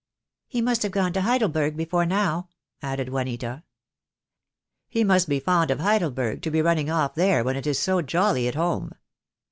"He must have gone to Heidelberg before now," added Juanita. "He must be fond of Heidelberg to be running off there when it is so jolly at home."